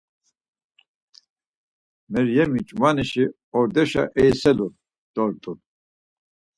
Meryemi ç̌umanişi ordoşa eiselu dort̆u.